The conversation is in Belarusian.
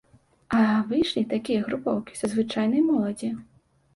А выйшлі такія групоўкі са звычайнай моладзі.